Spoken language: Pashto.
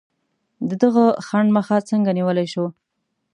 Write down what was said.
د دغه خنډ مخه څنګه نیولای شو؟